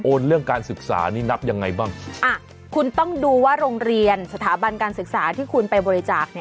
เรื่องการศึกษานี่นับยังไงบ้างอ่ะคุณต้องดูว่าโรงเรียนสถาบันการศึกษาที่คุณไปบริจาคเนี่ย